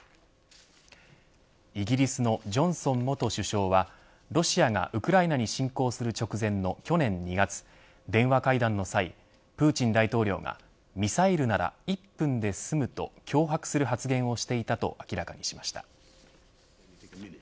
イギリスのジョンソン元首相はロシアがウクライナに侵攻する直前の去年２月、電話会談の際プーチン大統領がミサイルなら１分で済むと脅迫する発言をしていたと明らかにしました。